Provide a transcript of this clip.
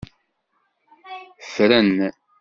Ffren.